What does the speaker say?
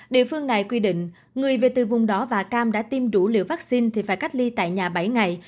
địa phương này quy định người về từ vùng đó và cam đã tiêm đủ liều vaccine thì phải cách ly tại nhà bảy ngày